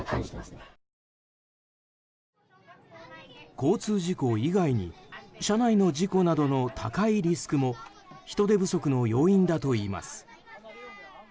交通事故以外に車内の事故などの高いリスクも人手不足の要因だと言います。